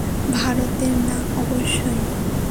ভারতের না অবশ্যই।